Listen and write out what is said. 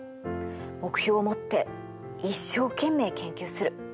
目標を持って一生懸命研究する。